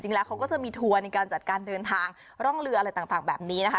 จริงแล้วเขาก็จะมีทัวร์ในการจัดการเดินทางร่องเรืออะไรต่างแบบนี้นะคะ